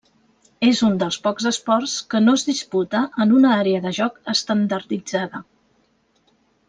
És un dels pocs esports que no es disputa en una àrea de joc estandarditzada.